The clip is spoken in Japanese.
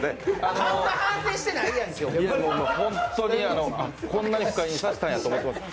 本当に、あ、こんなに不快にさせたんやと思うてます。